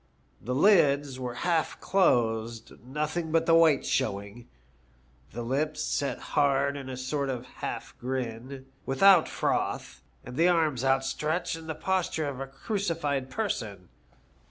The lids were half closed, nothing but the whites showing ; the lips set hard in a sort of half grin, without froth, and the arms outstretched in the posture of a crucified person.